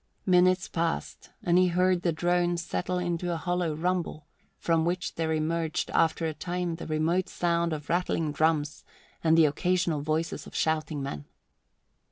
Minutes passed and he heard the drone settle into a hollow rumble, from which there emerged after a time the remote sound of rattling drums and the occasional voices of shouting men.